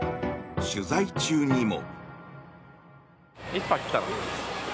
取材中にも。